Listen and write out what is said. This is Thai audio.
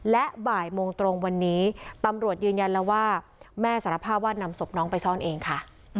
และบ่ายโมงตรงวันนี้ตำรวจยืนยันแล้วว่าแม่สารภาพว่านำศพน้องไปซ่อนเองค่ะ